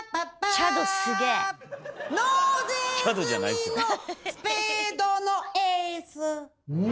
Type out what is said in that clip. チャドじゃないですよ。